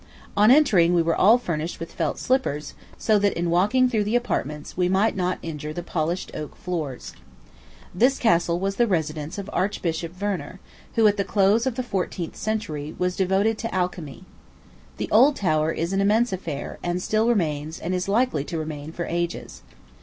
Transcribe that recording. On entering, we were all furnished with felt slippers, so that, in walking through the apartments, we might not injure the polished oak floors. This castle was the residence of Archbishop Werner, who, at the close of the fourteenth century, was devoted to alchemy. The old tower is an immense affair, and still remains, and is likely to remain for ages.